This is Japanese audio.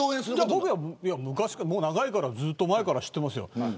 僕は長いからずっと前から知ってますよ。